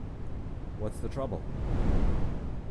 "What's the trouble?